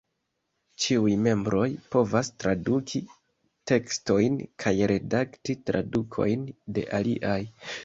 Ĉiuj membroj povas traduki tekstojn kaj redakti tradukojn de aliaj.